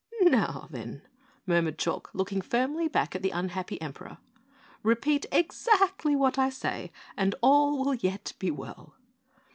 "Now, then," murmured Chalk, looking firmly back at the unhappy Emperor, "repeat exactly what I say and all will yet be well."